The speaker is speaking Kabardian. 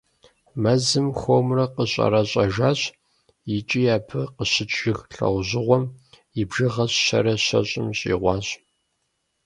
Мэзыр хуэмурэ къэщӏэрэщӏэжащ, икӀи абы къыщыкӀ жыг лӀэужьыгъуэм и бжыгъэр щэрэ щэщӀым щӏигъуащ.